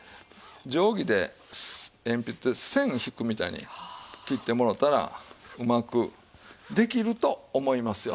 定規で鉛筆で線を引くみたいに切ってもろうたらうまくできると思いますよ。